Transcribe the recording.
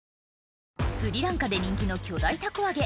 スリランカで人気の巨大たこ揚げ